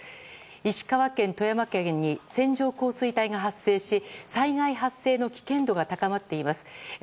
石川県、富山県に線状降水帯が発生し災害発生の危険度が高まっています。